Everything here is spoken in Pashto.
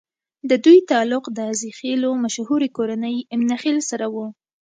ددوي تعلق د عزيخېلو مشهورې کورنۍ اِمنه خېل سره وو